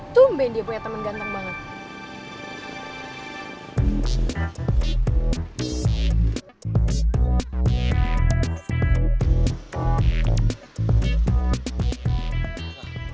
tumben dia punya temen ganteng banget